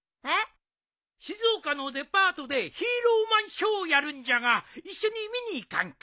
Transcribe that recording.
静岡のデパートでヒーローマンショーをやるんじゃが一緒に見に行かんか？